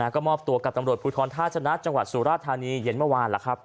ก็มอบตัวกับตำรวจภูทรท่าชนะจังหวัดสุราธานีเย็นเมื่อวาน